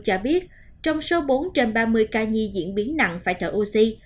cho biết trong số bốn trên ba mươi ca nhi diễn biến nặng phải thở oxy